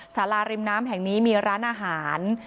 สาราริมน้ำแห่งนี้มีร้านอาหาร